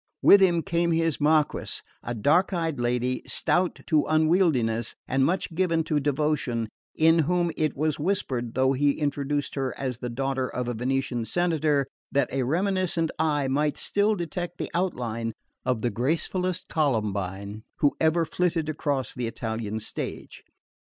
With him came his Marquise, a dark eyed lady, stout to unwieldiness and much given to devotion, in whom it was whispered (though he introduced her as the daughter of a Venetian Senator) that a reminiscent eye might still detect the outline of the gracefullest Columbine who had ever flitted across the Italian stage.